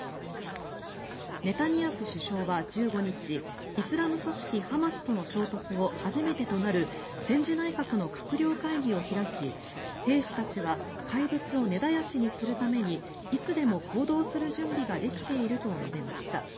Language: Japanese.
ネタニヤフ首相は１５日イスラム組織ハマスとの衝突後初めてとなる戦時内閣の閣僚会議を開き兵士たちは怪物を根絶やしにするためにいつでも行動する準備ができていると述べました。